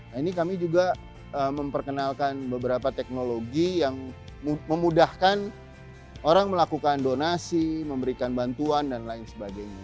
nah ini kami juga memperkenalkan beberapa teknologi yang memudahkan orang melakukan donasi memberikan bantuan dan lain sebagainya